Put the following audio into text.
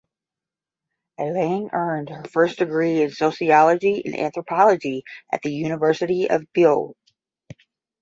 Alang earned her first degree in Sociology and Anthropology at the University of Buea.